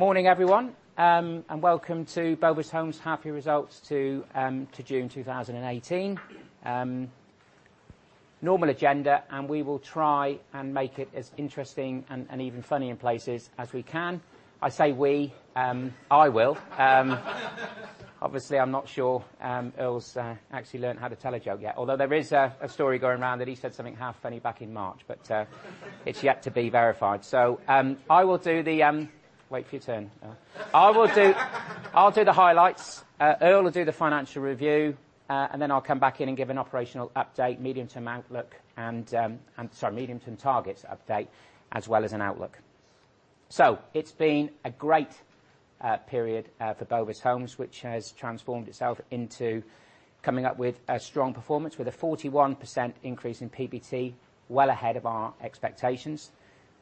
Morning, everyone, welcome to Bovis Homes half year results to June 2018. Normal agenda, we will try and make it as interesting and even funny in places as we can. I say we, I will. Obviously, I'm not sure Earl's actually learned how to tell a joke yet. Although there is a story going around that he said something half funny back in March, it's yet to be verified. I will do the Wait for your turn, Earl. I'll do the highlights, Earl will do the financial review, and then I'll come back in and give an operational update, medium term outlook, and, sorry, medium term targets update, as well as an outlook. It's been a great period for Bovis Homes, which has transformed itself into coming up with a strong performance, with a 41% increase in PBT, well ahead of our expectations.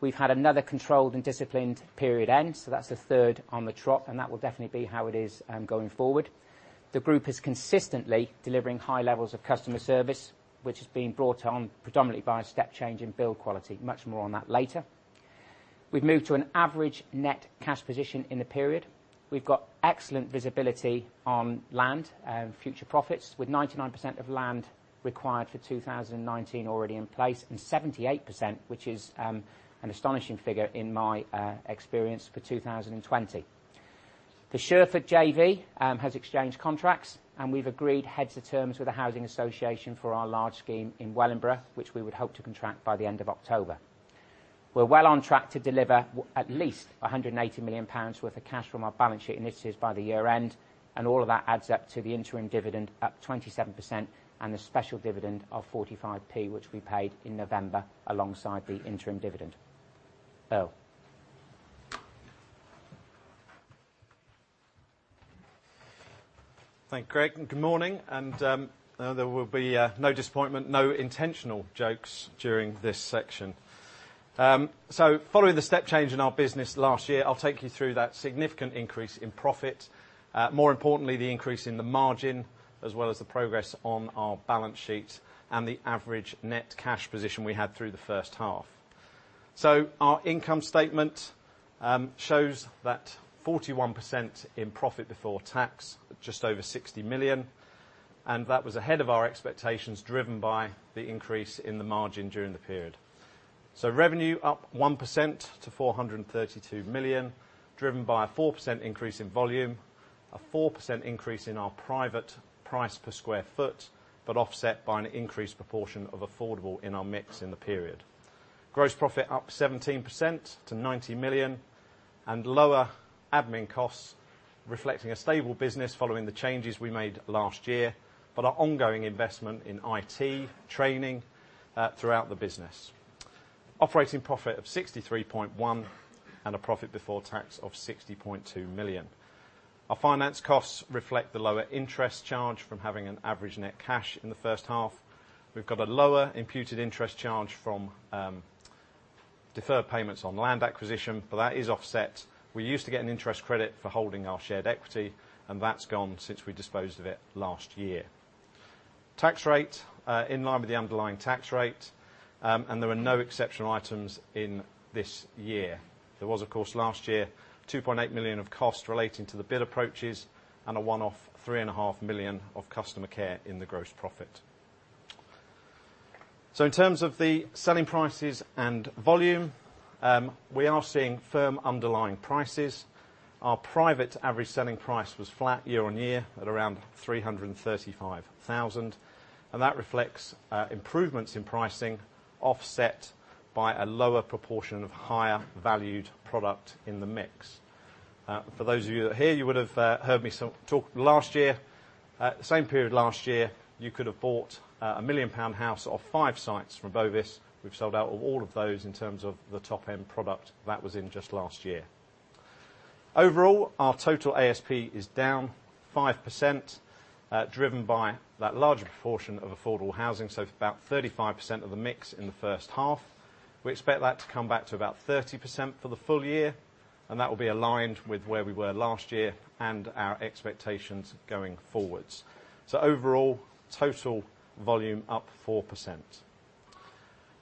We've had another controlled and disciplined period end, so that's the third on the trot, and that will definitely be how it is going forward. The group is consistently delivering high levels of customer service, which has been brought on predominantly by a step change in build quality. Much more on that later. We've moved to an average net cash position in the period. We've got excellent visibility on land, future profits, with 99% of land required for 2019 already in place, and 78%, which is an astonishing figure in my experience, for 2020. The Sherford JV has exchanged contracts, and we've agreed heads of terms with the Housing Association for our large scheme in Wellingborough, which we would hope to contract by the end of October. We're well on track to deliver at least 180 million pounds worth of cash from our balance sheet initiatives by the year end, and all of that adds up to the interim dividend, up 27%, and the special dividend of 0.45, which we paid in November alongside the interim dividend. Earl. Thank you, Greg, and good morning. There will be no disappointment, no intentional jokes during this section. Following the step change in our business last year, I'll take you through that significant increase in profit, more importantly, the increase in the margin, as well as the progress on our balance sheet and the average net cash position we had through the first half. Our income statement shows that 41% in profit before tax, just over 60 million, and that was ahead of our expectations, driven by the increase in the margin during the period. Revenue up 1% to 432 million, driven by a 4% increase in volume, a 4% increase in our private price per sq ft, but offset by an increased proportion of affordable in our mix in the period. Gross profit up 17% to 90 million, and lower admin costs, reflecting a stable business following the changes we made last year, but our ongoing investment in IT, training, throughout the business. Operating profit of 63.1 and a profit before tax of 60.2 million. Our finance costs reflect the lower interest charge from having an average net cash in the first half. We've got a lower imputed interest charge from deferred payments on land acquisition. That is offset. We used to get an interest credit for holding our shared equity. That's gone since we disposed of it last year. Tax rate, in line with the underlying tax rate. There were no exceptional items in this year. There was, of course, last year, 2.8 million of cost relating to the bid approaches and a one-off three and a half million of customer care in the gross profit. In terms of the selling prices and volume, we are seeing firm underlying prices. Our private average selling price was flat year-on-year at around 335,000. That reflects improvements in pricing offset by a lower proportion of higher valued product in the mix. For those of you that are here, you would have heard me talk last year. At the same period last year, you could have bought a 1 million pound house off five sites from Bovis. We've sold out of all of those in terms of the top-end product. That was in just last year. Overall, our total ASP is down 5%, driven by that larger proportion of affordable housing, so about 35% of the mix in the first half. We expect that to come back to about 30% for the full year. That will be aligned with where we were last year and our expectations going forwards. Overall, total volume up 4%.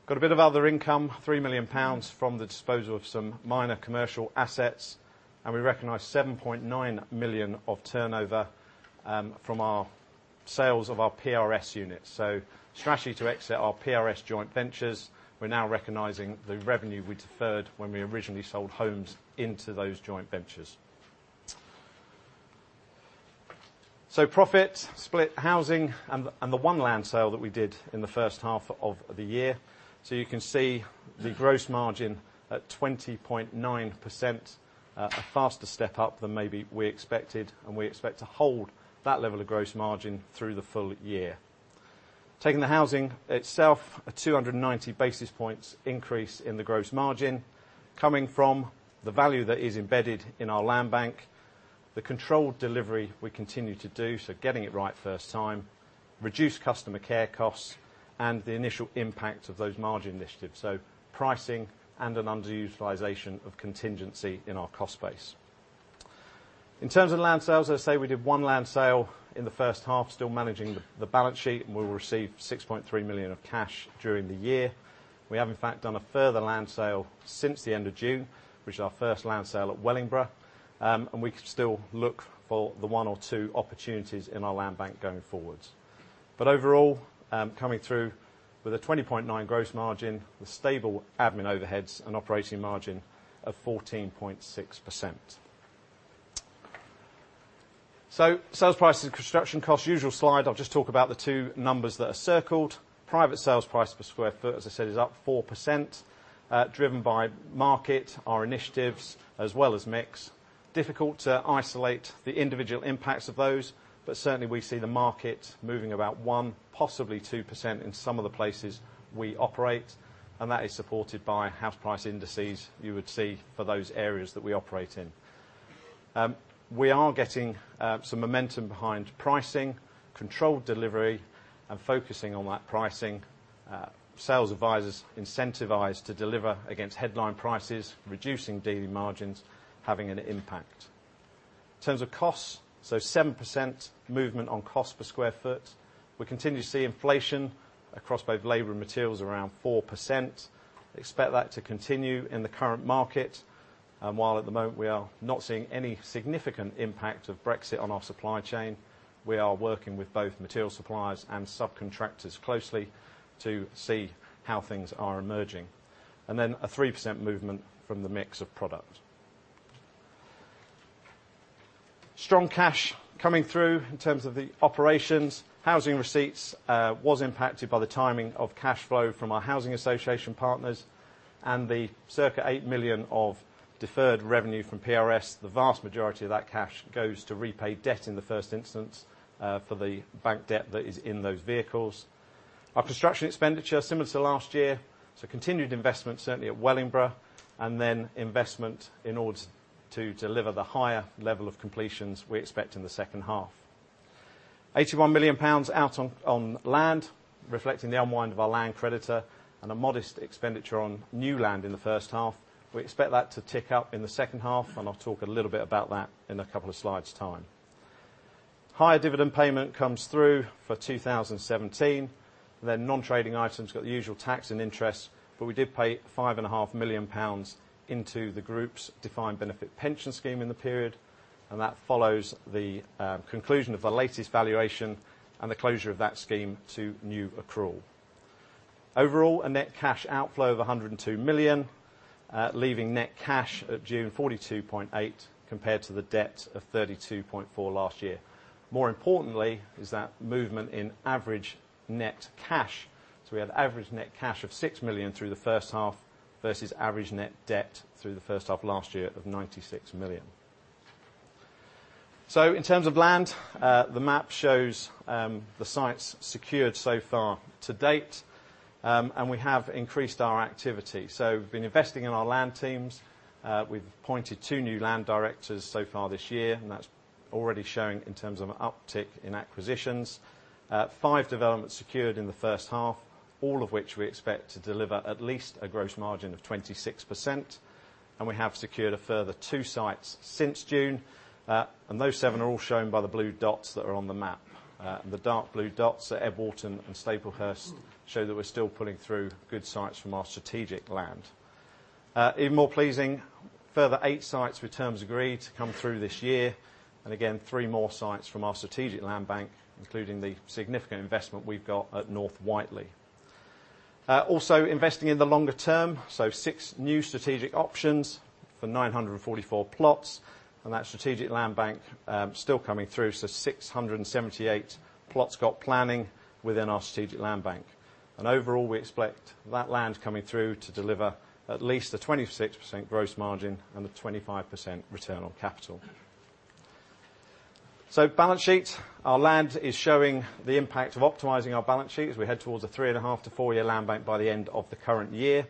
Got a bit of other income, 3 million pounds, from the disposal of some minor commercial assets. We recognize 7.9 million of turnover from our sales of our PRS units. Strategy to exit our PRS joint ventures, we're now recognizing the revenue we deferred when we originally sold homes into those joint ventures. Profit, split housing, and the one land sale that we did in the first half of the year. You can see the gross margin at 20.9%, a faster step up than maybe we expected. We expect to hold that level of gross margin through the full year. Taking the housing itself, a 290 basis points increase in the gross margin coming from the value that is embedded in our land bank, the controlled delivery we continue to do, so getting it right first time, reduced customer care costs, and the initial impact of those margin initiatives, so pricing and an underutilization of contingency in our cost base. In terms of land sales, as I say, we did one land sale in the first half, still managing the balance sheet. We will receive 6.3 million of cash during the year. We have, in fact, done a further land sale since the end of June, which is our first land sale at Wellingborough. We still look for the one or two opportunities in our land bank going forwards. Overall, coming through with a 20.9% gross margin with stable admin overheads and operating margin of 14.6%. Sales prices and construction costs, usual slide. I'll just talk about the two numbers that are circled. Private sales price per square foot, as I said, is up 4%, driven by market, our initiatives, as well as mix. Difficult to isolate the individual impacts of those, but certainly we see the market moving about one, possibly 2% in some of the places we operate, and that is supported by house price indices you would see for those areas that we operate in. We are getting some momentum behind pricing, controlled delivery, and focusing on that pricing. Sales advisors incentivized to deliver against headline prices, reducing daily margins, having an impact. In terms of costs, 7% movement on cost per square foot. We continue to see inflation across both labor and materials around 4%. Expect that to continue in the current market. While at the moment we are not seeing any significant impact of Brexit on our supply chain, we are working with both material suppliers and subcontractors closely to see how things are emerging. A 3% movement from the mix of product. Strong cash coming through in terms of the operations. Housing receipts, was impacted by the timing of cash flow from our housing association partners and the circa 8 million of deferred revenue from PRS. The vast majority of that cash goes to repay debt in the first instance, for the bank debt that is in those vehicles. Our construction expenditure, similar to last year. Continued investment, certainly at Wellingborough, and then investment in order to deliver the higher level of completions we expect in the second half. 81 million pounds out on land, reflecting the unwind of our land creditor and a modest expenditure on new land in the first half. We expect that to tick up in the second half, and I'll talk a little bit about that in a couple of slides' time. Higher dividend payment comes through for 2017. Non-trading items, got the usual tax and interest, but we did pay 5.5 million pounds into the group's defined benefit pension scheme in the period, and that follows the conclusion of the latest valuation and the closure of that scheme to new accrual. Overall, a net cash outflow of 102 million, leaving net cash at June 42.8, compared to the debt of 32.4 last year. More importantly, is that movement in average net cash. We had average net cash of 6 million through the first half, versus average net debt through the first half of last year of 96 million. In terms of land, the map shows the sites secured so far to date, and we have increased our activity. We've been investing in our land teams. We've appointed two new land directors so far this year, and that's already showing in terms of an uptick in acquisitions. Five developments secured in the first half, all of which we expect to deliver at least a gross margin of 26%, and we have secured a further two sites since June. Those seven are all shown by the blue dots that are on the map. The dark blue dots at Ebrington and Staplehurst show that we're still pulling through good sites from our strategic land. Even more pleasing, a further eight sites with terms agreed to come through this year. Again, three more sites from our strategic land bank, including the significant investment we've got at North Whiteley. Also investing in the longer term. Six new strategic options for 944 plots, and that strategic land bank still coming through, so 678 plots got planning within our strategic land bank. Overall, we expect that land coming through to deliver at least a 26% gross margin and a 25% return on capital. Balance sheet. Our land is showing the impact of optimizing our balance sheet as we head towards a three-and-a-half to four-year land bank by the end of the current year.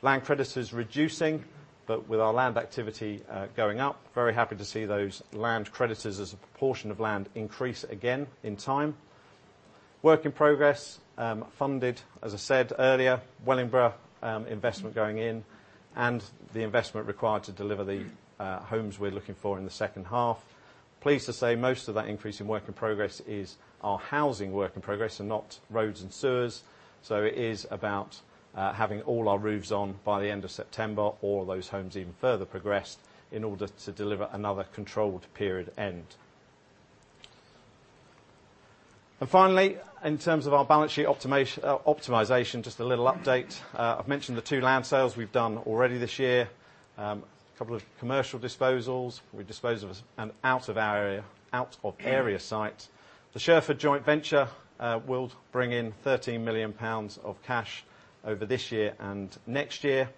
Land creditors reducing, with our land activity going up, very happy to see those land creditors as a proportion of land increase again in time. Work in progress, funded, as I said earlier, Wellingborough investment going in, and the investment required to deliver the homes we're looking for in the second half. Pleased to say most of that increase in work in progress is our housing work in progress and not roads and sewers. It is about having all our roofs on by the end of September, all of those homes even further progressed in order to deliver another controlled period end. Finally, in terms of our balance sheet optimization, just a little update. I've mentioned the two land sales we've done already this year. A couple of commercial disposals. We disposed of an out-of-area site. The Sherford joint venture will bring in 13 million pounds of cash over this year and next year,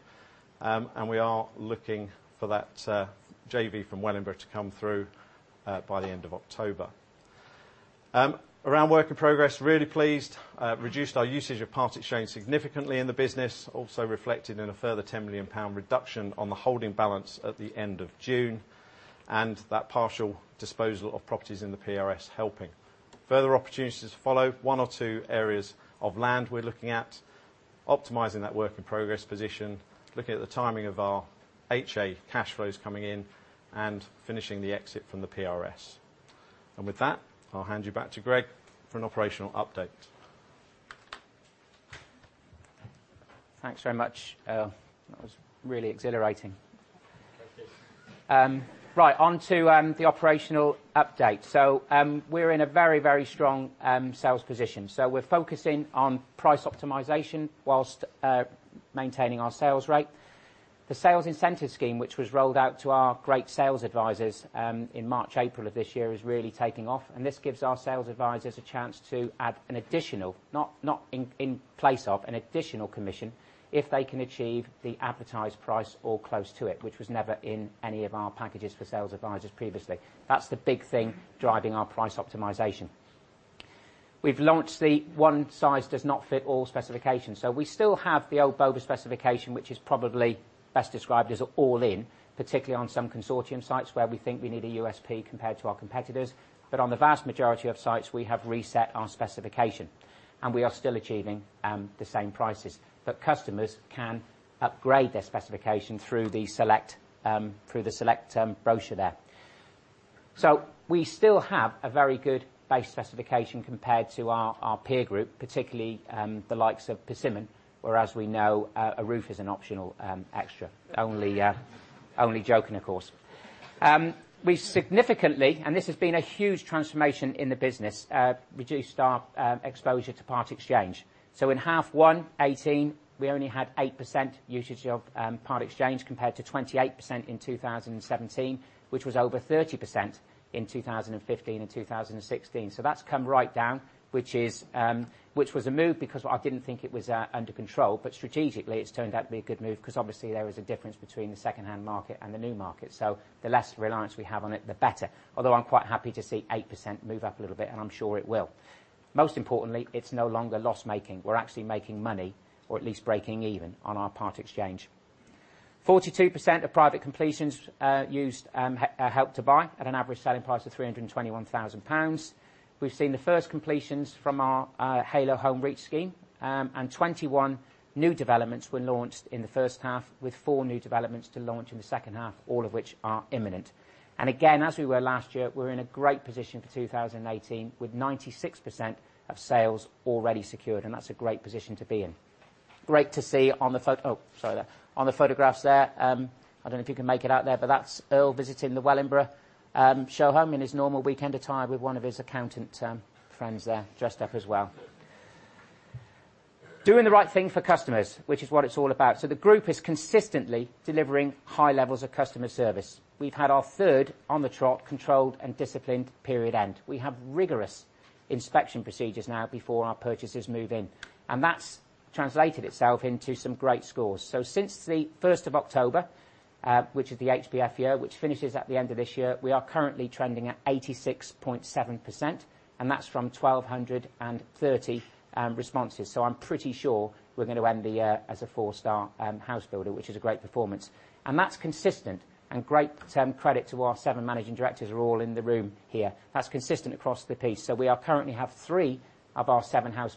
and we are looking for that JV from Wellingborough to come through, by the end of October. Around work in progress, really pleased. Reduced our usage of part exchange significantly in the business. Also reflected in a further 10 million pound reduction on the holding balance at the end of June, that partial disposal of properties in the PRS helping. Further opportunities follow. One or two areas of land we're looking at optimizing that work in progress position, looking at the timing of our HA cash flows coming in, and finishing the exit from the PRS. With that, I'll hand you back to Greg for an operational update. Thanks very much, Earl. That was really exhilarating. Thank you. Right, onto the operational update. We're in a very strong sales position. We're focusing on price optimization, whilst maintaining our sales rate. The sales incentive scheme, which was rolled out to our great sales advisors in March, April of this year, is really taking off, and this gives our sales advisors a chance to add an additional, not in place of, an additional commission if they can achieve the advertised price or close to it, which was never in any of our packages for sales advisors previously. That's the big thing, driving our price optimization. We've launched the one-size-does-not-fit-all specifications. We still have the old Bovis specification, which is probably best described as all-in, particularly on some consortium sites where we think we need a USP compared to our competitors. On the vast majority of sites, we have reset our specification, and we are still achieving the same prices. Customers can upgrade their specification through the select brochure there. We still have a very good base specification compared to our peer group, particularly the likes of Persimmon, whereas we know, a roof is an optional extra. Only joking, of course. We significantly, and this has been a huge transformation in the business, reduced our exposure to part exchange. In half one 2018, we only had 8% usage of part exchange compared to 28% in 2017, which was over 30% in 2015 and 2016. That's come right down, which was a move because I didn't think it was under control. Strategically, it's turned out to be a good move because obviously there was a difference between the second-hand market and the new market. The less reliance we have on it, the better. Although I'm quite happy to see 8% move up a little bit, and I'm sure it will. Most importantly, it's no longer loss-making. We're actually making money, or at least breaking even, on our part exchange. 42% of private completions used Help to Buy at an average selling price of 321,000 pounds. We've seen the first completions from our Heylo Home Reach scheme, and 21 new developments were launched in the first half, with four new developments to launch in the second half, all of which are imminent. Again, as we were last year, we're in a great position for 2018, with 96% of sales already secured, and that's a great position to be in. On the photographs there, I don't know if you can make it out there, but that's Earl visiting the Wellingborough show home in his normal weekend attire with one of his accountant friends there, dressed up as well. Doing the right thing for customers, which is what it's all about. The group is consistently delivering high levels of customer service. We've had our third on the trot, controlled and disciplined period end. We have rigorous inspection procedures now before our purchasers move in, and that's translated itself into some great scores. Since the 1st of October, which is the HBF year, which finishes at the end of this year, we are currently trending at 86.7%, and that's from 1,230 responses. I'm pretty sure we're going to end the year as a four-star house builder, which is a great performance. That's consistent and great credit to our seven managing directors who are all in the room here. That's consistent across the piece. We currently have three of our seven house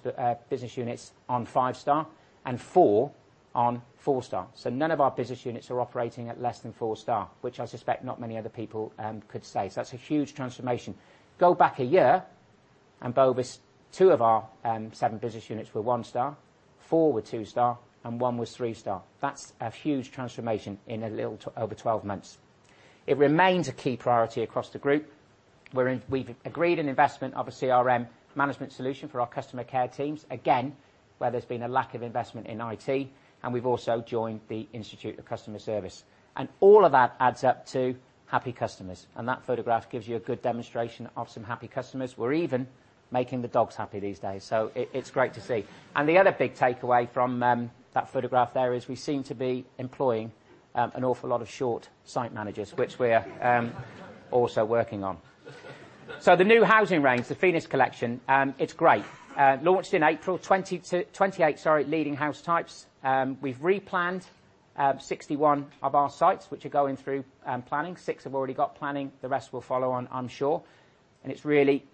business units on five-star and four on four-star. None of our business units are operating at less than four-star, which I suspect not many other people could say. That's a huge transformation. Go back a year, Bovis's two of our seven business units were one-star, four were two-star, and one was three-star. That's a huge transformation in a little over 12 months. It remains a key priority across the group. We've agreed an investment of a CRM management solution for our customer care teams, again, where there's been a lack of investment in IT, and we've also joined the Institute of Customer Service. All of that adds up to happy customers, and that photograph gives you a good demonstration of some happy customers. We're even making the dogs happy these days. It's great to see. The other big takeaway from that photograph there is we seem to be employing an awful lot of short site managers, which we're also working on. The new housing range, the Phoenix Collection, it's great. Launched in April, 28 leading house types. We've replanned 61 of our sites, which are going through planning. Six have already got planning, the rest will follow on, I'm sure. It really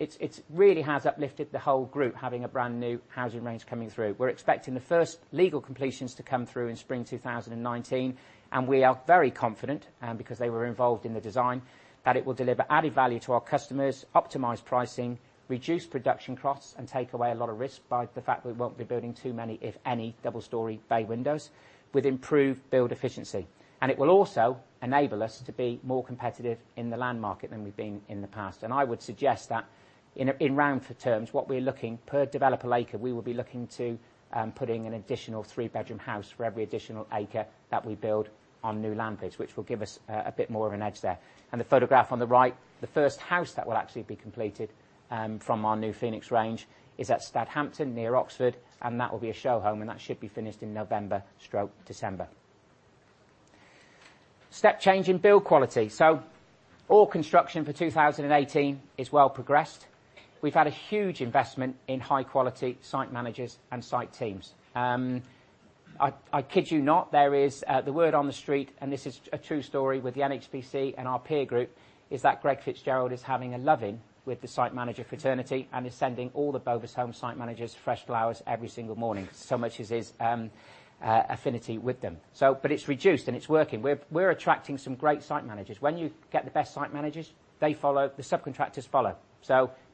has uplifted the whole group, having a brand-new housing range coming through. We're expecting the first legal completions to come through in spring 2019, and we are very confident, because they were involved in the design, that it will deliver added value to our customers, optimize pricing, reduce production costs, and take away a lot of risk by the fact that we won't be building too many, if any, double story bay windows, with improved build efficiency. It will also enable us to be more competitive in the land market than we've been in the past. I would suggest that in [round for terms], what we're looking, per developer acre, we will be looking to putting an additional three-bedroom house for every additional acre that we build on new landage, which will give us a bit more of an edge there. The photograph on the right, the first house that will actually be completed from our new Phoenix range is at Stadhampton, near Oxford, and that will be a show home, and that should be finished in November/December. Step change in build quality. All construction for 2018 is well progressed. We've had a huge investment in high quality site managers and site teams. I kid you not, there is the word on the street, and this is a true story with the NHBC and our peer group, is that Greg Fitzgerald is having a loving with the site manager fraternity and is sending all the Bovis Homes site managers fresh flowers every single morning, so much is his affinity with them. It's reduced, and it's working. We're attracting some great site managers. When you get the best site managers, the subcontractors follow.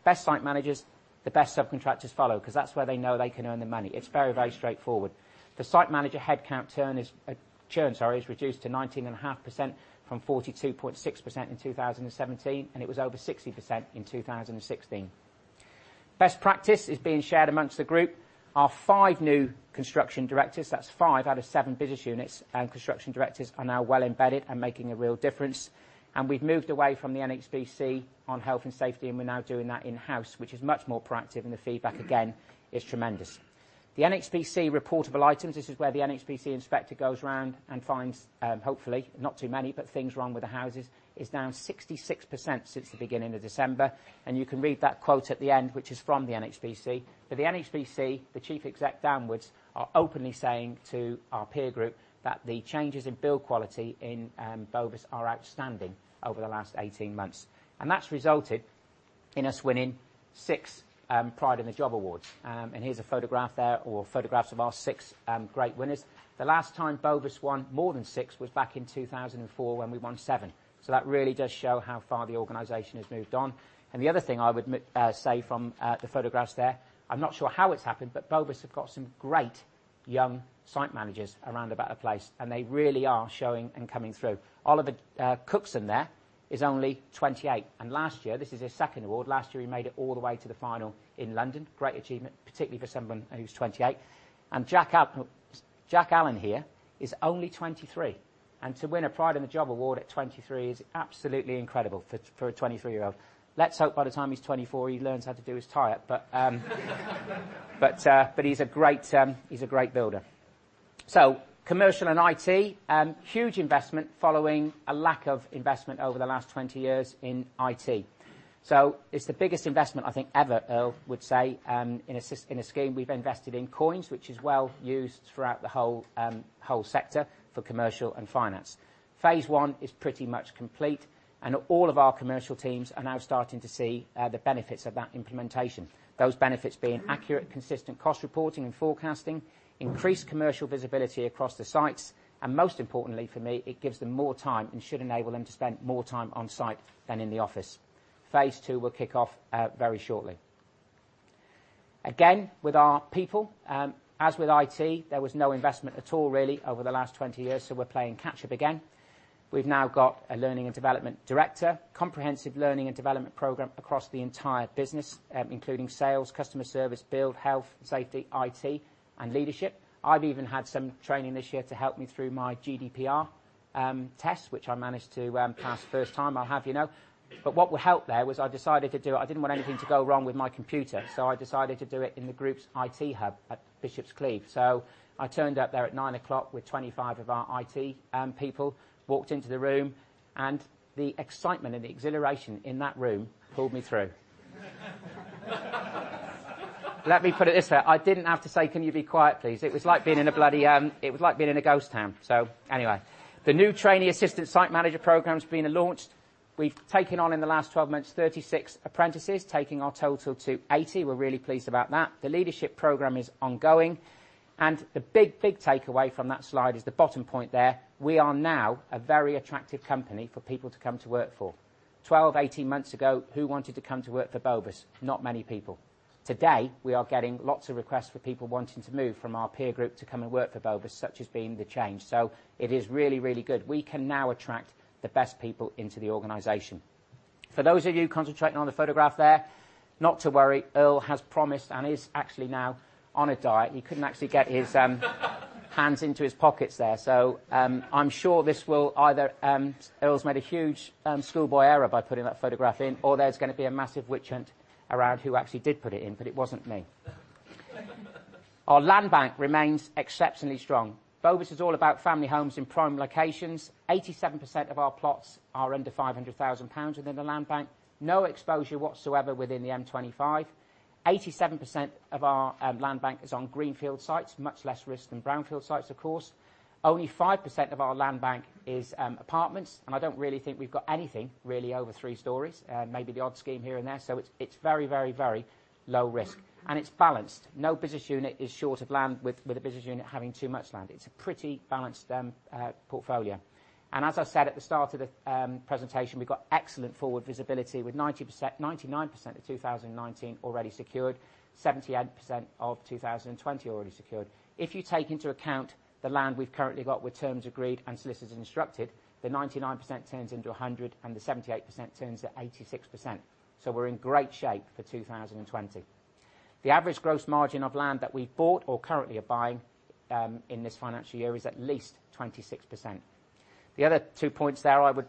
Best site managers, the best subcontractors follow, because that's where they know they can earn their money. It's very straightforward. The site manager headcount churn is reduced to 19.5% from 42.6% in 2017, and it was over 60% in 2016. Best practice is being shared amongst the group. Our five new construction directors, that's five out of seven business units, construction directors are now well embedded and making a real difference. We've moved away from the NHBC on health and safety and we're now doing that in-house, which is much more proactive, and the feedback, again, is tremendous. The NHBC reportable items, this is where the NHBC inspector goes around and finds, hopefully, not too many, but things wrong with the houses, is down 66% since the beginning of December. You can read that quote at the end, which is from the NHBC. The NHBC, the chief exec downwards, are openly saying to our peer group that the changes in build quality in Bovis are outstanding over the last 18 months. That's resulted in us winning six Pride in the Job awards. Here's a photograph there, or photographs of our six great winners. The last time Bovis won more than six was back in 2004 when we won seven. That really does show how far the organization has moved on. The other thing I would say from the photographs there, I'm not sure how it's happened, but Bovis have got some great young site managers around about the place, and they really are showing and coming through. Oliver Cookson there is only 28. Last year, this is his second award, last year he made it all the way to the final in London. Great achievement, particularly for someone who's 28. Jack Allen here is only 23. To win a Pride in the Job award at 23 is absolutely incredible for a 23-year-old. Let's hope by the time he's 24, he learns how to do his tie up, but he's a great builder. Commercial and IT. Huge investment following a lack of investment over the last 20 years in IT. It's the biggest investment, I think, ever, Earl would say, in a scheme. We've invested in COINS, which is well used throughout the whole sector for commercial and finance. Phase 1 is pretty much complete, and all of our commercial teams are now starting to see the benefits of that implementation. Those benefits being accurate, consistent cost reporting and forecasting, increased commercial visibility across the sites, and most importantly for me, it gives them more time and should enable them to spend more time on site than in the office. Phase two will kick off very shortly. With our people, as with IT, there was no investment at all really over the last 20 years, so we're playing catch up again. We've now got a learning and development director, comprehensive learning and development program across the entire business, including sales, customer service, build, health, safety, IT, and leadership. I've even had some training this year to help me through my GDPR test, which I managed to pass first time, I'll have you know. What helped there was I decided to do it, I didn't want anything to go wrong with my computer, so I decided to do it in the group's IT hub at Bishops Cleeve. I turned up there at 9:00 A.M. with 25 of our IT people, walked into the room, and the excitement and the exhilaration in that room pulled me through. Let me put it this way. I didn't have to say, "Can you be quiet, please?" It was like being in a bloody ghost town. Anyway. The new trainee assistant site manager program's been launched. We've taken on, in the last 12 months, 36 apprentices, taking our total to 80. We're really pleased about that. The leadership program is ongoing. The big takeaway from that slide is the bottom point there, we are now a very attractive company for people to come to work for. 12, 18 months ago, who wanted to come to work for Bovis? Not many people. Today, we are getting lots of requests for people wanting to move from our peer group to come and work for Bovis, such has been the change. It is really good. We can now attract the best people into the organization. For those of you concentrating on the photograph there, not to worry, Earl has promised and is actually now on a diet. He couldn't actually get his hands into his pockets there. I'm sure this will either, Earl's made a huge school boy error by putting that photograph in, or there's going to be a massive witch hunt around who actually did put it in, but it wasn't me. Our land bank remains exceptionally strong. Bovis is all about family homes in prime locations. 87% of our plots are under 500,000 pounds within the land bank. No exposure whatsoever within the M25. 87% of our land bank is on greenfield sites. Much less risk than brownfield sites, of course. Only 5% of our land bank is apartments, and I don't really think we've got anything really over three storeys. Maybe the odd scheme here and there. It's very low risk. It's balanced. No business unit is short of land with a business unit having too much land. It's a pretty balanced portfolio. As I said at the start of the presentation, we've got excellent forward visibility, with 99% of 2019 already secured, 78% of 2020 already secured. If you take into account the land we've currently got with terms agreed and solicitors instructed, the 99% turns into 100%, and the 78% turns to 86%. We're in great shape for 2020. The average gross margin of land that we've bought or currently are buying in this financial year is at least 26%. The other two points there I would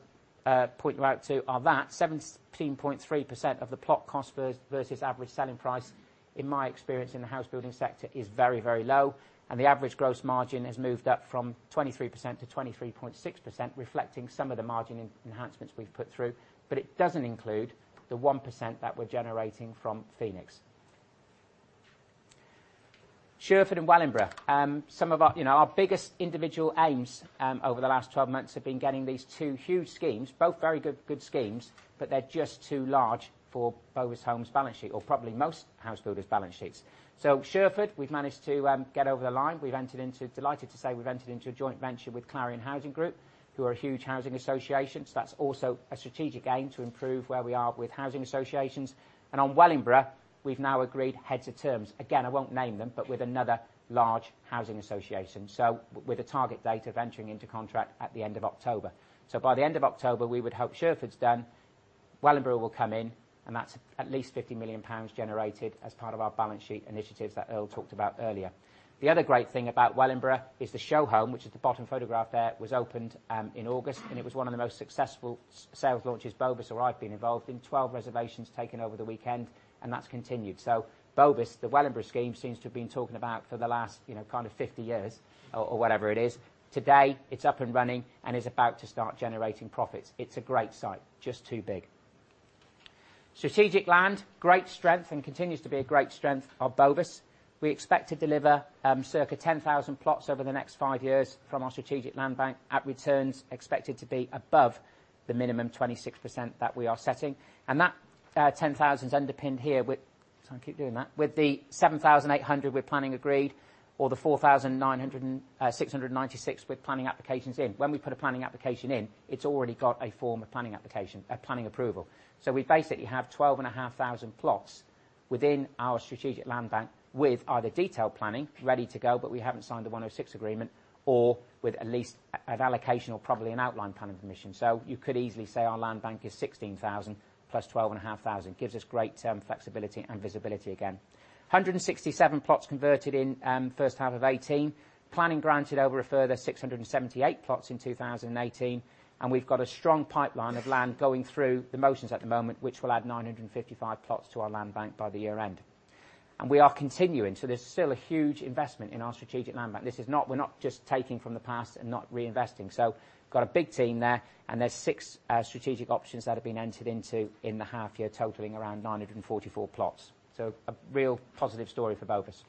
point you out to are that 17.3% of the plot cost versus average selling price, in my experience in the house building sector, is very low. The average gross margin has moved up from 23% to 23.6%, reflecting some of the margin enhancements we've put through. It doesn't include the 1% that we're generating from Phoenix. Sherford and Wellingborough. Some of our biggest individual aims over the last 12 months have been getting these two huge schemes, both very good schemes, but they're just too large for Bovis Homes' balance sheet, or probably most house builders' balance sheets. Sherford, we've managed to get over the line. We're delighted to say we've entered into a joint venture with Clarion Housing Group, who are a huge housing association. That's also a strategic aim to improve where we are with housing associations. On Wellingborough, we've now agreed heads of terms. Again, I won't name them, but with another large housing association. With a target date of entering into contract at the end of October. By the end of October, we would hope Sherford's done, Wellingborough will come in, and that's at least 50 million pounds generated as part of our balance sheet initiatives that Earl talked about earlier. The other great thing about Wellingborough is the show home, which is the bottom photograph there, was opened in August, and it was one of the most successful sales launches Bovis or I've been involved in. 12 reservations taken over the weekend, and that's continued. Bovis, the Wellingborough scheme, seems to have been talking about for the last 50 years, or whatever it is. Today, it's up and running and is about to start generating profits. It's a great site, just too big. Strategic land, great strength and continues to be a great strength of Bovis. We expect to deliver circa 10,000 plots over the next five years from our strategic land bank at returns expected to be above the minimum 26% that we are setting. That 10,000 is underpinned here with, sorry I keep doing that, with the 7,800 with planning agreed, or the 4,696 with planning applications in. When we put a planning application in, it's already got a form of planning approval. We basically have 12,500 plots within our strategic land bank with either detailed planning ready to go, but we haven't signed the 106 agreement, or with at least an allocation or probably an outline planning permission. You could easily say our land bank is 16,000 plus 12,500. Gives us great flexibility and visibility again. 167 plots converted in first half of 2018. Planning granted over a further 678 plots in 2018, and we've got a strong pipeline of land going through the motions at the moment, which will add 955 plots to our land bank by the year end. We are continuing, so there's still a huge investment in our strategic land bank. We're not just taking from the past and not reinvesting. We got a big team there, and there's six strategic options that have been entered into in the half year, totaling around 944 plots. A real positive story for Bovis.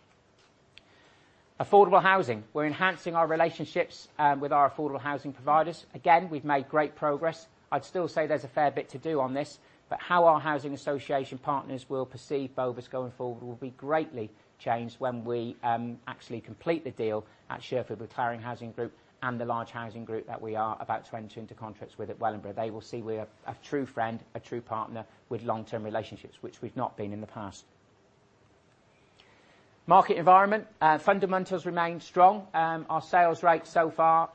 Affordable housing. We're enhancing our relationships with our affordable housing providers. Again, we've made great progress. I'd still say there's a fair bit to do on this, but how our housing association partners will perceive Bovis going forward will be greatly changed when we actually complete the deal at Sherford with Clarion Housing Group and the large housing group that we are about to enter into contracts with at Wellingborough. They will see we're a true friend, a true partner with long-term relationships, which we've not been in the past. Market environment. Fundamentals remain strong. Our sales rate so far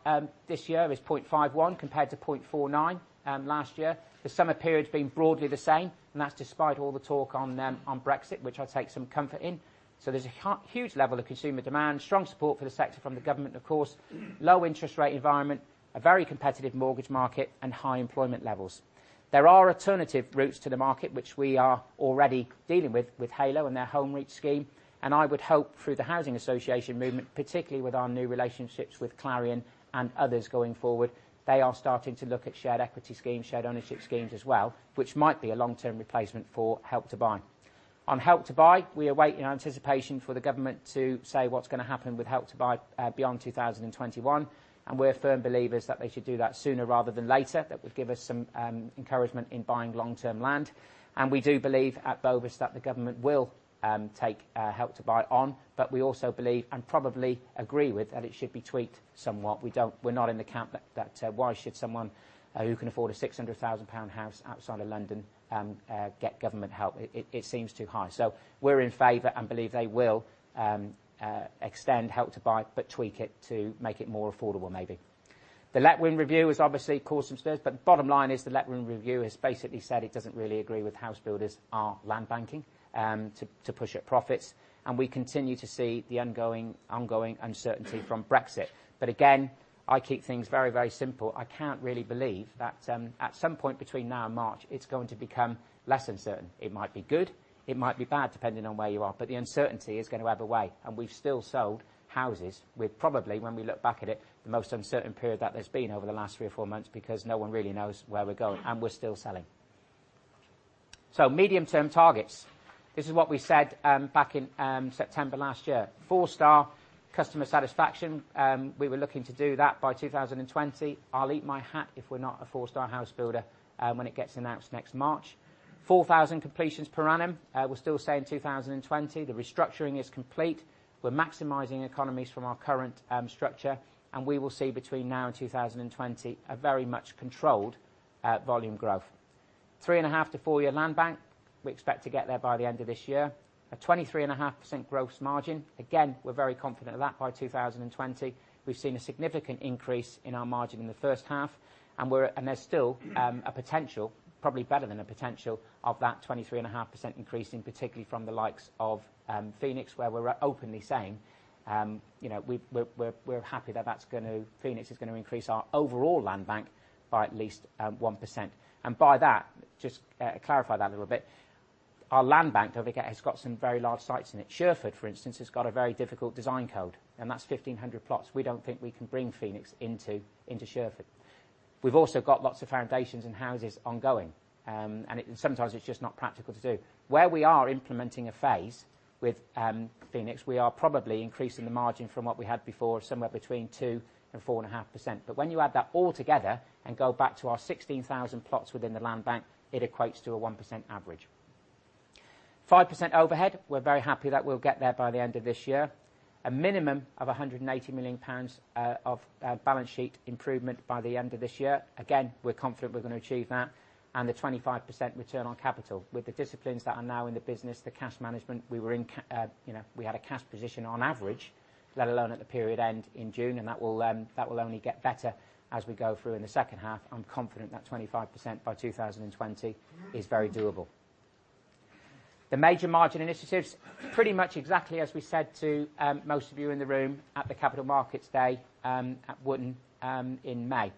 this year is 0.51 compared to 0.49 last year. The summer period's been broadly the same, and that's despite all the talk on Brexit, which I take some comfort in. There's a huge level of consumer demand, strong support for the sector from the government, of course, low interest rate environment, a very competitive mortgage market, and high employment levels. There are alternative routes to the market, which we are already dealing with Heylo and their Home Reach scheme, and I would hope through the housing association movement, particularly with our new relationships with Clarion and others going forward, they are starting to look at shared equity schemes, shared ownership schemes as well, which might be a long-term replacement for Help to Buy. On Help to Buy, we await in anticipation for the government to say what's going to happen with Help to Buy beyond 2021, and we're firm believers that they should do that sooner rather than later. That would give us some encouragement in buying long-term land. We do believe at Bovis that the government will take Help to Buy on, but we also believe, and probably agree with, that it should be tweaked somewhat. We're not in the camp that, why should someone who can afford a 600,000 pound house outside of London get government help? It seems too high. We're in favor and believe they will extend Help to Buy, but tweak it to make it more affordable maybe. The Letwin Review has obviously caused some stirs, but bottom line is the Letwin Review has basically said it doesn't really agree with house builders are land banking to push up profits. We continue to see the ongoing uncertainty from Brexit. Again, I keep things very, very simple. I can't really believe that at some point between now and March, it's going to become less uncertain. It might be good, it might be bad, depending on where you are, but the uncertainty is going to ebb away, and we've still sold houses with probably, when we look back at it, the most uncertain period that there's been over the last three or four months, because no one really knows where we're going, and we're still selling. Medium-term targets. This is what we said back in September last year. Four-star customer satisfaction. We were looking to do that by 2020. I'll eat my hat if we're not a four-star housebuilder when it gets announced next March. 4,000 completions per annum, we're still saying 2020. The restructuring is complete. We're maximizing economies from our current structure, and we will see between now and 2020 a very much controlled volume growth. Three and a half to four-year land bank. We expect to get there by the end of this year. A 23.5% gross margin. Again, we're very confident of that by 2020. We've seen a significant increase in our margin in the first half, and there's still a potential, probably better than a potential, of that 23.5% increasing, particularly from the likes of Phoenix, where we're openly saying we're happy that Phoenix is going to increase our overall land bank by at least 1%. By that, just clarify that a little bit, our land bank, don't forget, has got some very large sites in it. Sherford, for instance, has got a very difficult design code, and that's 1,500 plots. We don't think we can bring Phoenix into Sherford. We've also got lots of foundations and houses ongoing, and sometimes it's just not practical to do. Where we are implementing a phase with Phoenix, we are probably increasing the margin from what we had before, somewhere between 2% and 4.5%. But when you add that all together and go back to our 16,000 plots within the land bank, it equates to a 1% average. 5% overhead, we're very happy that we'll get there by the end of this year. A minimum of 180 million pounds of balance sheet improvement by the end of this year. Again, we're confident we're going to achieve that. The 25% return on capital. With the disciplines that are now in the business, the cash management, we had a cash position on average, let alone at the period end in June, and that will only get better as we go through in the second half. I'm confident that 25% by 2020 is very doable. The major margin initiatives, pretty much exactly as we said to most of you in the room at the Capital Markets Day at Wootton in May.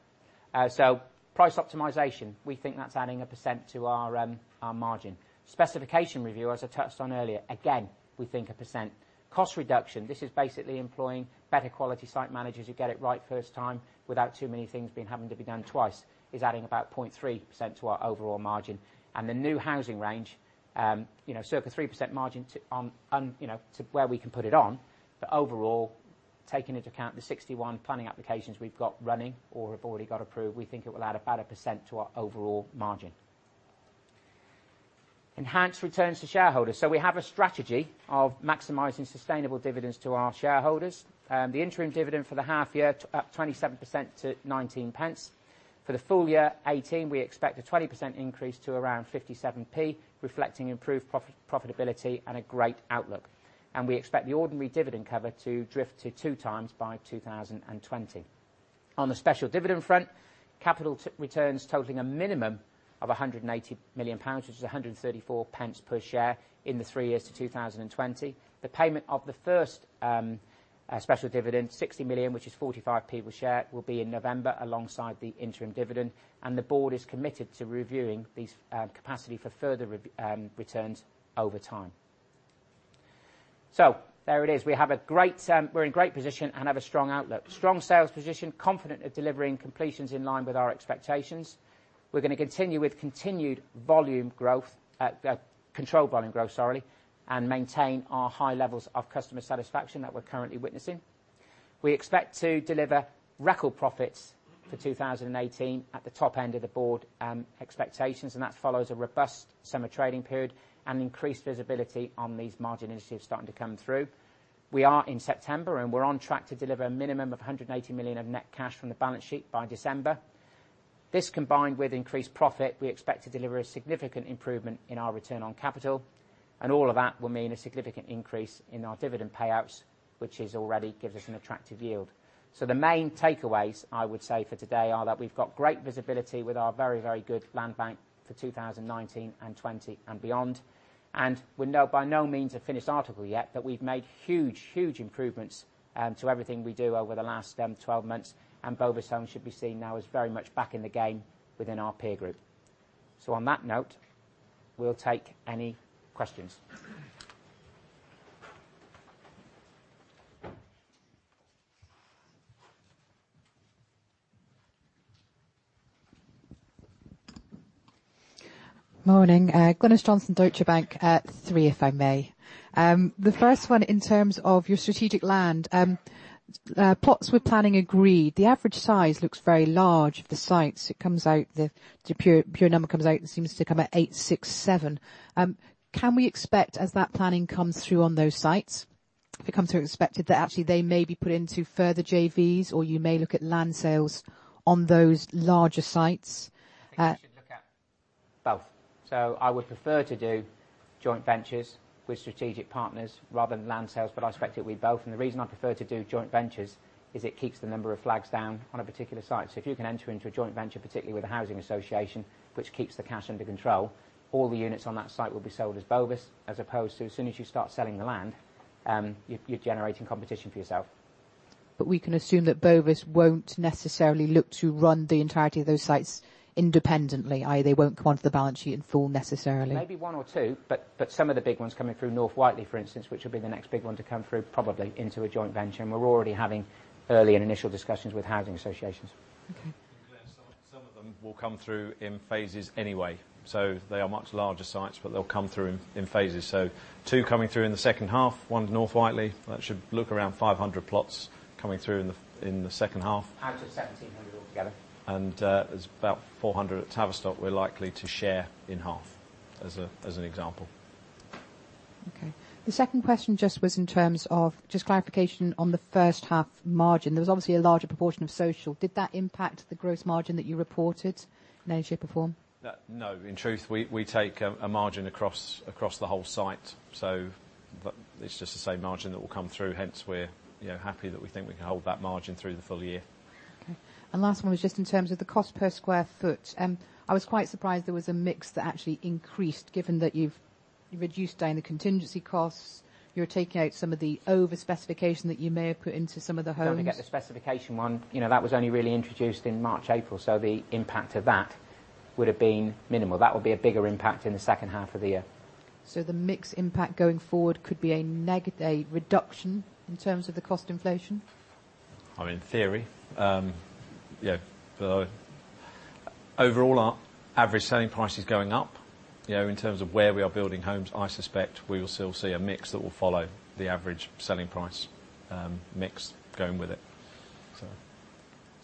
So price optimization, we think that's adding 1% to our margin. Specification review, as I touched on earlier, again, we think 1%. Cost reduction, this is basically employing better quality site managers who get it right first time without too many things having to be done twice, is adding about 0.3% to our overall margin. The new housing range, circa 3% margin to where we can put it on. But overall, taking into account the 61 planning applications we've got running or have already got approved, we think it will add about 1% to our overall margin. Enhanced returns to shareholders. So we have a strategy of maximizing sustainable dividends to our shareholders. The interim dividend for the half year, up 27% to 0.19. For the full year, 2018, we expect a 20% increase to around 0.57, reflecting improved profitability and a great outlook. And we expect the ordinary dividend cover to drift to two times by 2020. On the special dividend front, capital returns totaling a minimum of 180 million pounds, which is 1.34 per share in the three years to 2020. The payment of the first special dividend, 60 million, which is 0.45 per share, will be in November alongside the interim dividend. The board is committed to reviewing these capacity for further returns over time. There it is. We are in a great position and have a strong outlook. Strong sales position, confident of delivering completions in line with our expectations. We are going to continue with continued volume growth, controlled volume growth, sorry, and maintain our high levels of customer satisfaction that we are currently witnessing. We expect to deliver record profits for 2018 at the top end of the board expectations. That follows a robust summer trading period and increased visibility on these margin initiatives starting to come through. We are in September, and we are on track to deliver a minimum of 180 million of net cash from the balance sheet by December. This, combined with increased profit, we expect to deliver a significant improvement in our return on capital. All of that will mean a significant increase in our dividend payouts, which already gives us an attractive yield. The main takeaways I would say for today are that we have got great visibility with our very, very good land bank for 2019 and 2020 and beyond. We are by no means a finished article yet, but we have made huge, huge improvements to everything we do over the last 12 months, and Bovis Homes should be seen now as very much back in the game within our peer group. On that note, we will take any questions. Morning. Glynis Johnson, Deutsche Bank. Three, if I may. The first one, in terms of your strategic land, plots with planning agreed, the average size looks very large of the sites. The pure number comes out and seems to come at 867. Can we expect, as that planning comes through on those sites, if it comes through expected, that actually they may be put into further JVs, or you may look at land sales on those larger sites? I think we should look at both. I would prefer to do joint ventures with strategic partners rather than land sales, but I expect it will be both. The reason I prefer to do joint ventures is it keeps the number of flags down on a particular site. If you can enter into a joint venture, particularly with a housing association, which keeps the cash under control, all the units on that site will be sold as Bovis, as opposed to as soon as you start selling the land, you are generating competition for yourself. We can assume that Bovis won't necessarily look to run the entirety of those sites independently, i.e., they won't come onto the balance sheet in full necessarily. Maybe one or two, but some of the big ones coming through, North Whiteley, for instance, which will be the next big one to come through, probably into a joint venture, and we're already having early and initial discussions with housing associations. Okay. Glynis, some of them will come through in phases anyway. They are much larger sites, but they'll come through in phases. Two coming through in the second half. One's North Whiteley. That should look around 500 plots coming through in the second half. Out of 1,700 altogether. There's about 400 at Tavistock we're likely to share in half, as an example. Okay. The second question just was in terms of just clarification on the first half margin. There was obviously a larger proportion of social. Did that impact the gross margin that you reported in any shape or form? No. In truth, we take a margin across the whole site, so it's just the same margin that will come through, hence we're happy that we think we can hold that margin through the full year. Okay. Last one was just in terms of the cost per sq ft. I was quite surprised there was a mix that actually increased, given that you've reduced down the contingency costs, you're taking out some of the over-specification that you may have put into some of the homes. If I can get the specification one, that was only really introduced in March, April, the impact of that would have been minimal. That will be a bigger impact in the second half of the year. The mix impact going forward could be a reduction in terms of the cost inflation? In theory, yeah. Overall, our average selling price is going up. In terms of where we are building homes, I suspect we will still see a mix that will follow the average selling price mix going with it.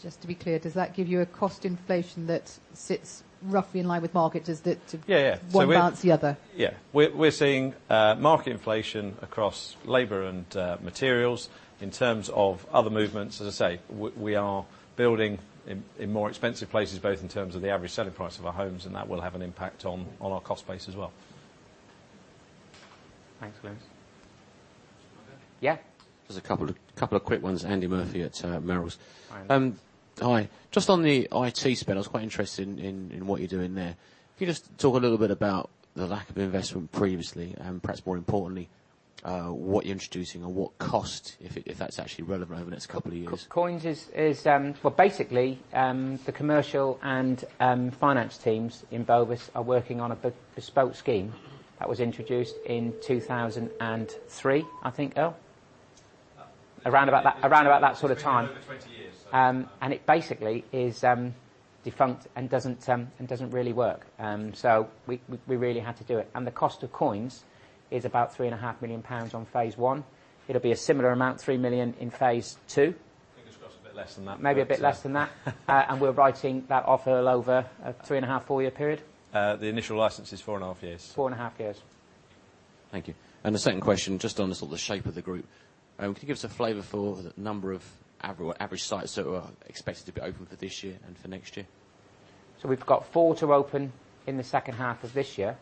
Just to be clear, does that give you a cost inflation that sits roughly in line with market? Does one balance the other? Yeah. We're seeing market inflation across labor and materials. In terms of other movements, as I say, we are building in more expensive places, both in terms of the average selling price of our homes, and that will have an impact on our cost base as well. Thanks, Glynis. Yeah? Just a couple of quick ones. Andy Murphy at Merrill. Hi. Hi. Just on the IT spend, I was quite interested in what you're doing there. Can you just talk a little bit about the lack of investment previously, and perhaps more importantly, what you're introducing and what cost, if that's actually relevant over the next couple of years. COINS is, well, basically, the commercial and finance teams in Bovis are working on a bespoke scheme that was introduced in 2003, I think, Earl. Around about that sort of time. It's been over 20 years. It basically is defunct and doesn't really work. We really had to do it. The cost of COINS is about 3.5 million pounds on phase 1. It'll be a similar amount, 3 million, in phase 2. I think it's got a bit less than that. Maybe a bit less than that. We're writing that off over a three-and-a-half, four-year period. The initial license is four and a half years. Four and a half years. Thank you. The second question, just on sort of the shape of the group. Can you give us a flavor for the number of average sites that are expected to be open for this year and for next year? We've got four to open in the second half of this year.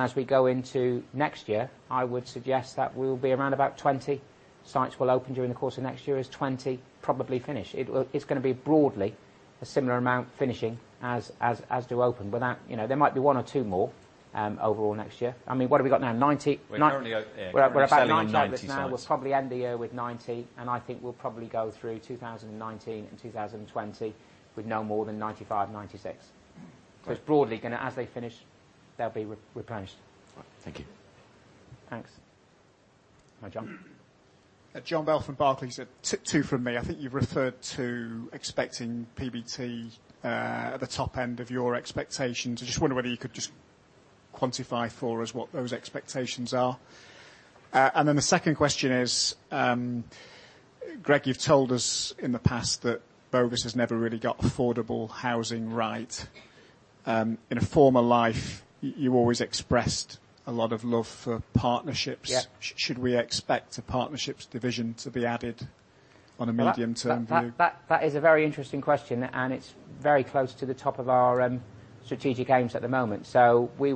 As we go into next year, I would suggest that we'll be around about 20 sites will open during the course of next year, as 20 probably finish. It's going to be broadly a similar amount finishing as to open. There might be one or two more overall next year. What have we got now? 90? We're currently selling on 90 sites. We're about 90 now. We'll probably end the year with 90, and I think we'll probably go through 2019 and 2020 with no more than 95, 96. It's broadly going to, as they finish, they'll be replenished. All right. Thank you. Thanks. Hi, John. John Bell from Barclays. Two from me. I think you've referred to expecting PBT at the top end of your expectations. I just wonder whether you could just quantify for us what those expectations are. The second question is, Greg, you've told us in the past that Bovis has never really got affordable housing right. In a former life, you always expressed a lot of love for partnerships. Yeah. Should we expect a partnerships division to be added on a medium-term view? That is a very interesting question, and it's very close to the top of our strategic aims at the moment. We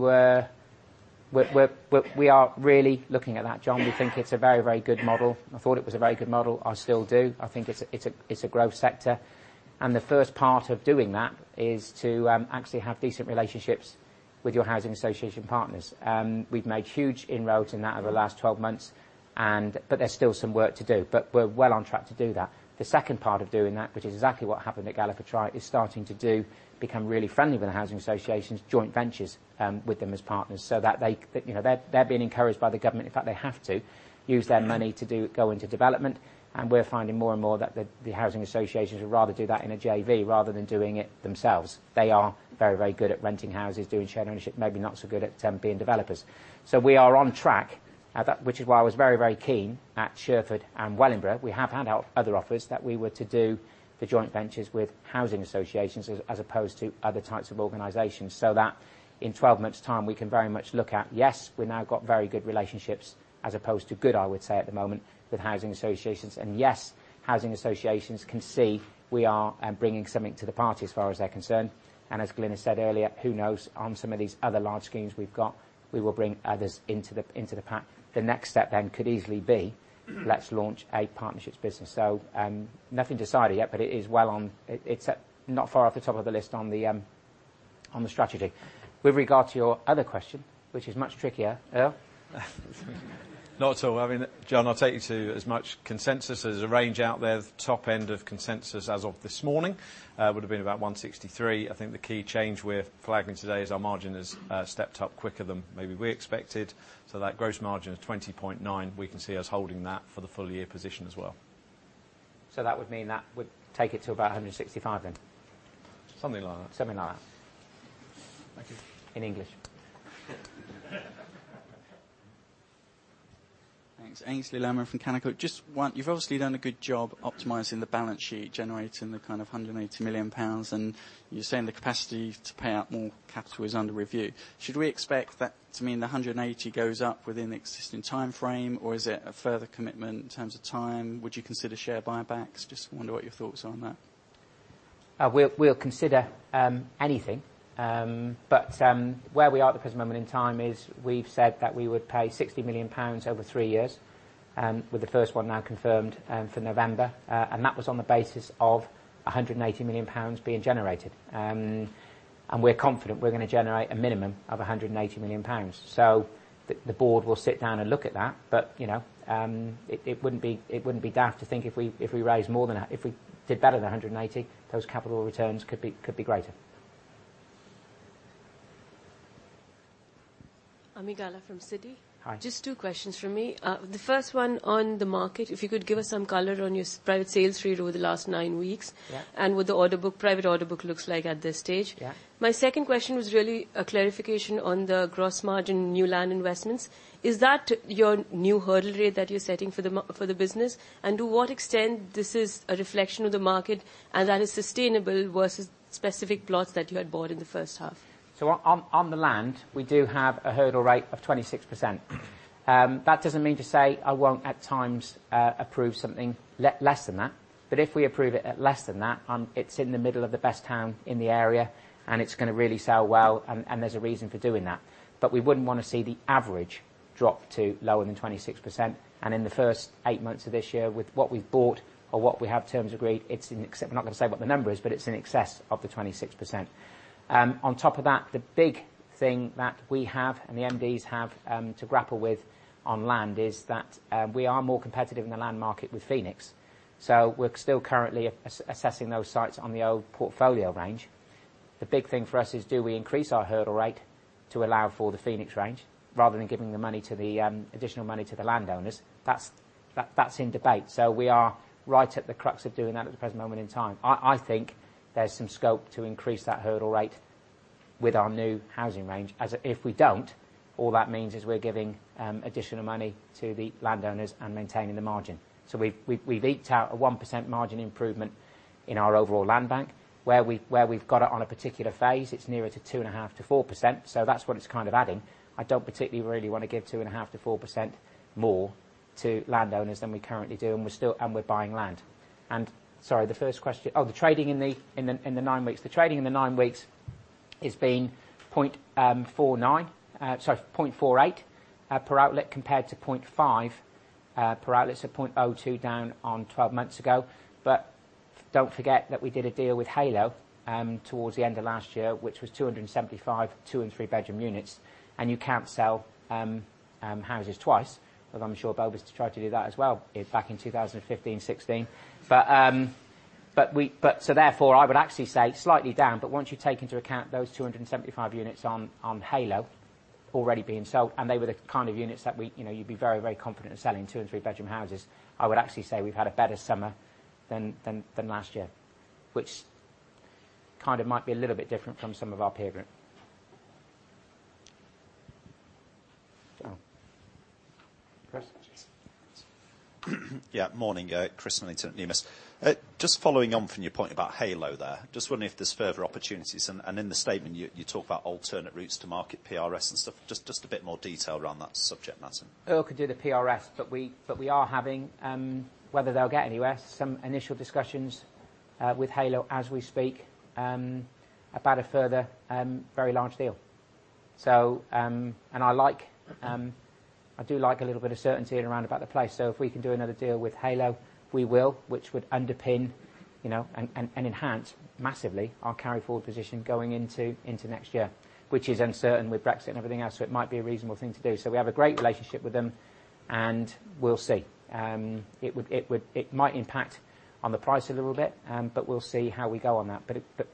are really looking at that, John. We think it's a very good model. I thought it was a very good model. I still do. I think it's a growth sector. The first part of doing that is to actually have decent relationships with your housing association partners. We've made huge inroads in that over the last 12 months, but there's still some work to do. We're well on track to do that. The second part of doing that, which is exactly what happened at Galliford Try, is starting to do, become really friendly with the housing associations, joint ventures with them as partners. They're being encouraged by the government, in fact, they have to use their money to go into development. We're finding more and more that the housing associations would rather do that in a JV, rather than doing it themselves. They are very good at renting houses, doing shared ownership, maybe not so good at being developers. We are on track, which is why I was very keen at Sherford and Wellingborough. We have had other offers that we were to do the joint ventures with housing associations, as opposed to other types of organizations. That in 12 months' time, we can very much look at, yes, we've now got very good relationships as opposed to good, I would say at the moment, with housing associations. Yes, housing associations can see we are bringing something to the party as far as they're concerned. As Glyn has said earlier, who knows, on some of these other large schemes we've got, we will bring others into the pack. The next step could easily be, let's launch a partnerships business. Nothing decided yet, but it is well on, it's not far off the top of the list on the strategy. With regard to your other question, which is much trickier. Earl? Not at all. John, I'll take you to as much consensus. There's a range out there. The top end of consensus as of this morning would have been about 163. I think the key change we're flagging today is our margin has stepped up quicker than maybe we expected. That gross margin of 20.9%, we can see us holding that for the full year position as well. That would mean that would take it to about 165 then? Something like that. Something like that. Thank you. In English. Thanks. Aynsley Lammin from Canaccord Genuity. You've obviously done a good job optimizing the balance sheet, generating the kind of 180 million pounds, you're saying the capacity to pay out more capital is under review. Should we expect that to mean the 180 goes up within the existing timeframe, or is it a further commitment in terms of time? Would you consider share buybacks? Just wonder what your thoughts are on that. We'll consider anything. Where we are at the present moment in time is we've said that we would pay 60 million pounds over 3 years, with the first one now confirmed for November. That was on the basis of 180 million pounds being generated. We're confident we're going to generate a minimum of 180 million pounds. The board will sit down and look at that, but it wouldn't be daft to think if we raised more than that, if we did better than 180, those capital returns could be greater. Ami Galla from Citi. Hi. Just two questions from me. The first one on the market, if you could give us some color on your private sales trade over the last nine weeks. Yeah. What the private order book looks like at this stage. Yeah. My second question was really a clarification on the gross margin new land investments. Is that your new hurdle rate that you're setting for the business? To what extent this is a reflection of the market and that is sustainable versus specific plots that you had bought in the first half? On the land, we do have a hurdle rate of 26%. That doesn't mean to say I won't, at times, approve something less than that. If we approve it at less than that, it's in the middle of the best town in the area, and it's going to really sell well, and there's a reason for doing that. We wouldn't want to see the average drop to lower than 26%. In the first eight months of this year, with what we've bought, or what we have terms agreed, I'm not going to say what the number is, but it's in excess of the 26%. On top of that, the big thing that we have, and the MDs have to grapple with on land is that we are more competitive in the land market with Phoenix. We're still currently assessing those sites on the old portfolio range. The big thing for us is do we increase our hurdle rate to allow for the Phoenix range, rather than giving the additional money to the landowners? That's in debate. We are right at the crux of doing that at the present moment in time. I think there's some scope to increase that hurdle rate with our new housing range. As if we don't, all that means is we're giving additional money to the landowners and maintaining the margin. We've eked out a 1% margin improvement in our overall land bank. Where we've got it on a particular phase, it's nearer to 2.5%-4%, that's what it's kind of adding. I don't particularly really want to give 2.5%-4% more to landowners than we currently do, and we're buying land. Sorry, the first question, the trading in the nine weeks. The trading in the nine weeks has been 0.49, sorry, 0.48 per outlet, compared to 0.5. Per outlet, 0.02 down on 12 months ago. Do not forget that we did a deal with Heylo towards the end of last year, which was 275, two and three-bedroom units. You cannot sell houses twice. Although I am sure Bovis tried to do that as well back in 2015, 2016. Therefore, I would actually say slightly down, but once you take into account those 275 units on Heylo already being sold, and they were the kind of units that you would be very, very confident in selling, two and three-bedroom houses. I would actually say we have had a better summer than last year. Which kind of might be a little bit different from some of our peer group. Darrell? Chris? Morning. Chris Millington, Numis. Just following on from your point about Heylo there. Just wondering if there is further opportunities. In the statement, you talk about alternate routes to market PRS. Just a bit more detail around that subject matter. Earl could do the PRS. We are having, whether they will get anywhere, some initial discussions with Heylo as we speak, about a further very large deal. I do like a little bit of certainty around about the place. If we can do another deal with Heylo, we will, which would underpin and enhance massively our carry-forward position going into next year. Which is uncertain with Brexit and everything else, it might be a reasonable thing to do. We have a great relationship with them, and we will see. It might impact on the price a little bit, but we will see how we go on that.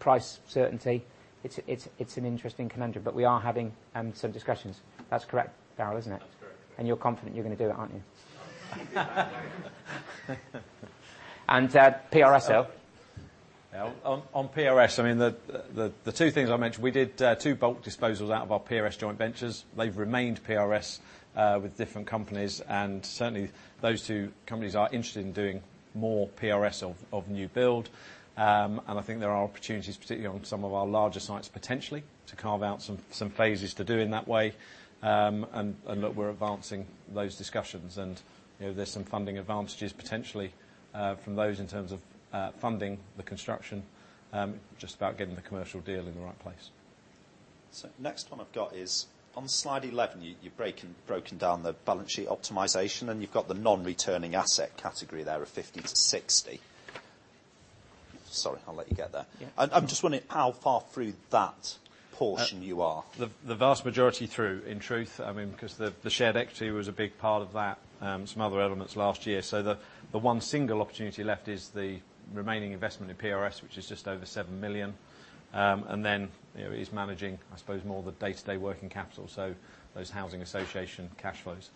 Price certainty, it is an interesting conundrum. We are having some discussions. That is correct, Darrell, is not it? That is correct. You're confident you're going to do it, aren't you? PRS, Earl. On PRS, the two things I mentioned, we did two bulk disposals out of our PRS joint ventures. They've remained PRS with different companies, certainly those two companies are interested in doing more PRS of new build. I think there are opportunities, particularly on some of our larger sites, potentially, to carve out some phases to do in that way. Look, we're advancing those discussions and there's some funding advantages potentially from those in terms of funding the construction. Just about getting the commercial deal in the right place. Next one I've got is on slide 11, you've broken down the balance sheet optimization, and you've got the non-returning asset category there of 50 to 60. Sorry, I'll let you get there. Yeah. I'm just wondering how far through that portion you are. The vast majority through, in truth, because the shared equity was a big part of that. Some other elements last year. The one single opportunity left is the remaining investment in PRS, which is just over 7 million. Then it is managing, I suppose, more of the day-to-day working capital, so those housing association cash flows.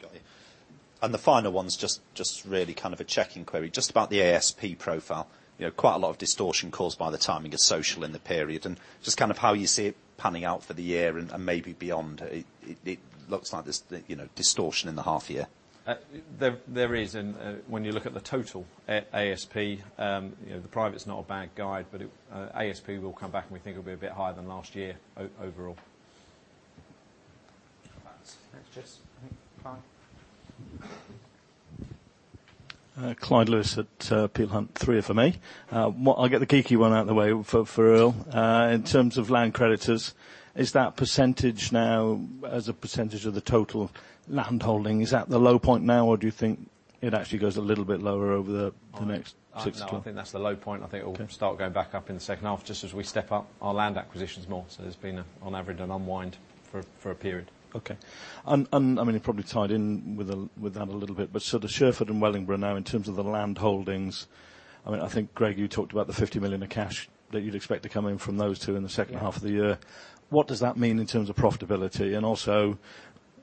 Got you. The final one's just really kind of a checking query. Just about the ASP profile. Quite a lot of distortion caused by the timing of social in the period, and just kind of how you see it panning out for the year and maybe beyond. It looks like there's distortion in the half year. There is, and when you look at the total ASP, the private's not a bad guide. ASP will come back, and we think it'll be a bit higher than last year overall. Thanks, Chris. Clyde? Clyde Lewis at Peel Hunt. Three for me. I'll get the geeky one out of the way for Earl. In terms of land creditors, is that percentage now as a percentage of the total land holding, is that the low point now, or do you think it actually goes a little bit lower over the next six to 12? I think that's the low point. Okay. I think it will start going back up in the second half just as we step up our land acquisitions more. There's been, on average, an unwind for a period. Okay. It probably tied in with that a little bit, but so the Sherford and Wellingborough now, in terms of the land holdings, I think Greg, you talked about the 50 million of cash that you'd expect to come in from those two in the second half of the year. Yeah. What does that mean in terms of profitability? Also.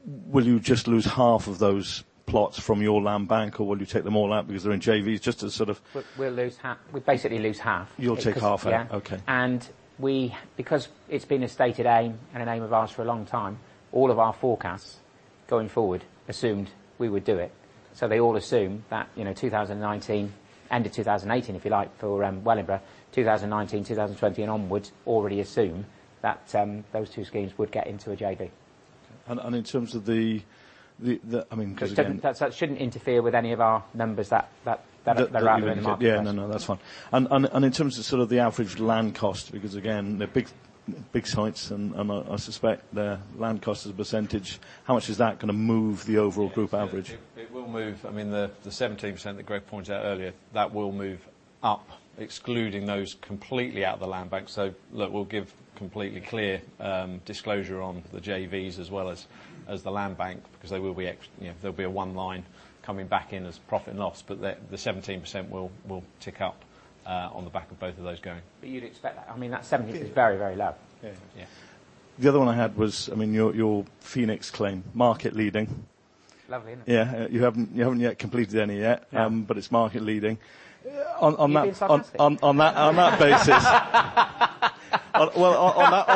Will you just lose half of those plots from your land bank, or will you take them all out because they’re in JVs? We’ll lose half. We basically lose half. You’ll take half out. Yeah. Okay. Because it's been a stated aim and an aim of ours for a long time, all of our forecasts going forward assumed we would do it. They all assume that 2019, end of 2018, if you like, for Wellingborough, 2019, 2020 and onwards already assume that those two schemes would get into a JV. Okay. In terms of the, I mean, That shouldn't interfere with any of our numbers that are out there in the marketplace. Yeah, no, that's fine. In terms of sort of the average land cost, because again, they're big sites, and I suspect the land cost as a percentage, how much is that going to move the overall group average? It will move. I mean, the 17% that Greg pointed out earlier, that will move up, excluding those completely out of the land bank. Look, we'll give completely clear disclosure on the JVs as well as the land bank because there'll be a one line coming back in as profit and loss, the 17% will tick up, on the back of both of those going. You'd expect that. I mean, that 17% is very low. Yeah. Yeah. The other one I had was, I mean, your Phoenix claim, market leading. Lovely, isn't it? Yeah. You haven't yet completed any yet, but it's market leading. Leading statistically. Well, on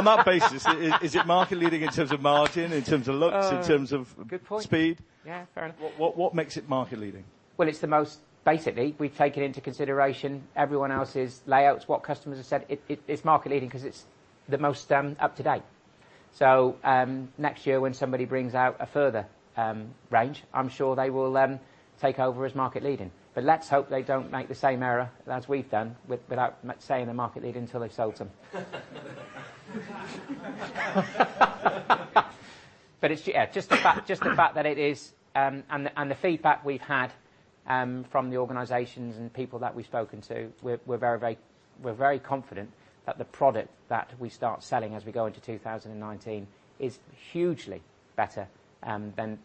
that basis, is it market leading in terms of margin, in terms of looks, in terms of? Oh, good point. speed? Yeah, fair enough. What makes it market leading? Well, it's the most Basically, we've taken into consideration everyone else's layouts, what customers have said. It's market leading because it's the most up to date. Next year, when somebody brings out a further range, I'm sure they will take over as market leading. Let's hope they don't make the same error as we've done, without saying they're market leading until they've sold some. It's, yeah, just the fact that it is, and the feedback we've had from the organizations and people that we've spoken to, we're very confident that the product that we start selling as we go into 2019 is hugely better than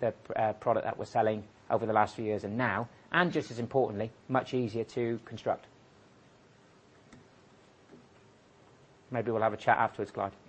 the product that we're selling over the last few years and now. Just as importantly, much easier to construct. Maybe we'll have a chat afterwards, Clyde.